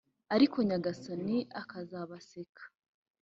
ariko Nyagasani azabaseka.